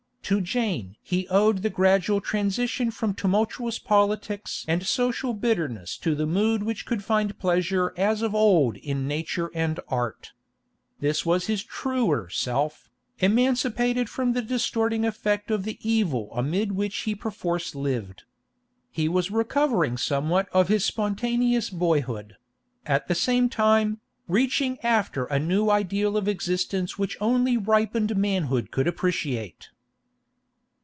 To Jane he owed the gradual transition from tumultuous politics and social bitterness to the mood which could find pleasure as of old in nature and art. This was his truer self, emancipated from the distorting effect of the evil amid which he perforce lived. He was recovering somewhat of his spontaneous boyhood; at the same time, reaching after a new ideal of existence which only ripened manhood could appreciate.